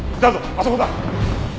あそこだ。